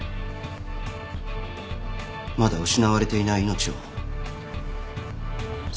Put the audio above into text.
まだ失われていない命を救うことができる。